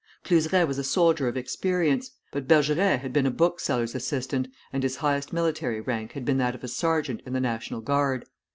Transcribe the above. Cluseret was a soldier of experience; but Bergeret had been a bookseller's assistant, and his highest military rank had been that of a sergeant in the National Guard.